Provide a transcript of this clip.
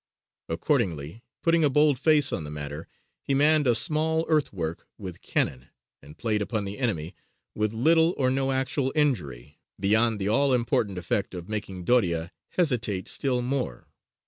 Accordingly, putting a bold face on the matter, he manned a small earthwork with cannon, and played upon the enemy, with little or no actual injury, beyond the all important effect of making Doria hesitate still more.